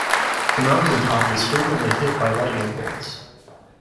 The mountain top is frequently hit by lightningbolts.